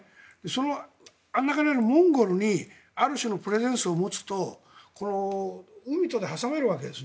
その真ん中にあるモンゴルにある種のプレゼンスを持つと海と挟まるわけです。